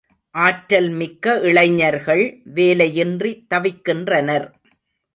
ஆற்றல் மிக்க இளைஞர்கள் வேலையின்றி தவிக்கின்றனர்!